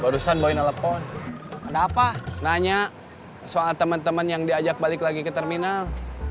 barusan boy nelfon ada apa nanya soal teman teman yang diajak balik lagi ke terminal